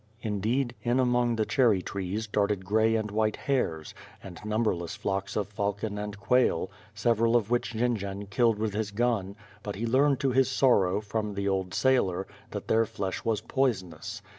Indeed, in among the cherry trees, darted grey and white hares, and numberless flocks of falcon and quail, several of which Jendzian killed with his gun; but he learned to his sor row, from the old sailor, that their flesh was poisonous.